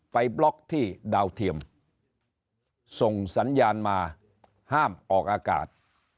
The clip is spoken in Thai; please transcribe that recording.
บล็อกที่ดาวเทียมส่งสัญญาณมาห้ามออกอากาศ